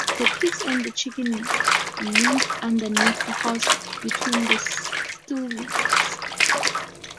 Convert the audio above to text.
The pigs and chicken live underneath the house between the stilts.